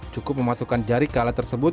cukup memasukkan jari ke alat tersebut